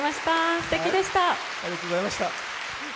すてきでした。